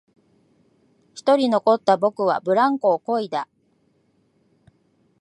一人残った僕はブランコをこいだ